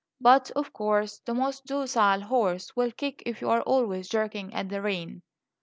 But, of course, the most docile horse will kick if you are always jerking at the rein."